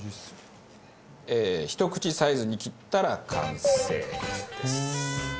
ひと口サイズに切ったら完成です。